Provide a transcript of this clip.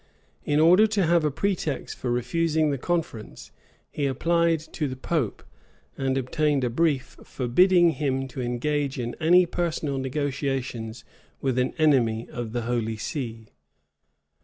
In order to have a pretext for refusing the conference, he applied to the pope, and obtained a brief, forbidding him to engage in any personal negotiations with an enemy of the holy see.